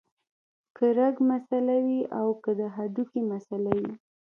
کۀ رګ مسئله وي او کۀ د هډوکي مسئله وي